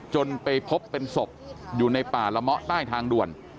จนไปพบเป็นศพอยู่ในป่าละเมาะใต้ทางด่วน